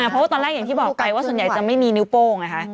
เพราะว่าตอนแรกอย่างที่บอกไปว่าส่วนใหญ่จะไม่มีนิ้วโป้งไงคะ